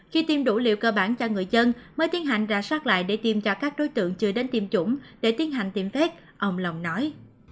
khi tiêm đủ liệu cơ bản cho người dân mới tiến hành ra soát lại để tìm cho các đối tượng chưa đến tiêm chủng để tiến hành tiêm phết ông lòng nói